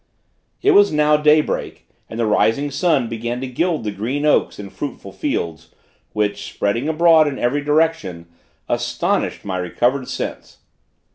It was now day break, and the rising sun began to gild the green oaks and fruitful fields, which, spreading abroad in every direction, astonished my recovered sense.